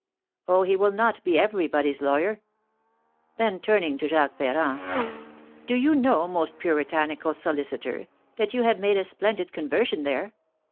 Oh, he will not be everybody's lawyer!" Then, turning to Jacques Ferrand: "Do you know, most puritanical solicitor, that you have made a splendid conversion there?